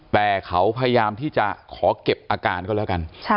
แต่เขาพยายามที่จะขอเก็บอาการก็แล้วกัน